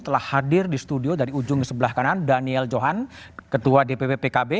telah hadir di studio dari ujung sebelah kanan daniel johan ketua dpp pkb